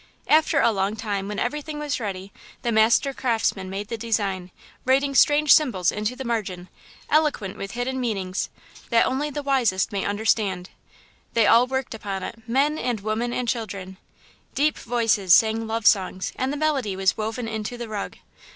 "After a long time, when everything was ready, the Master Craftsman made the design, writing strange symbols into the margin, eloquent with hidden meanings, that only the wisest may understand. "They all worked upon it, men and women and children. Deep voices sang love songs and the melody was woven into the rug.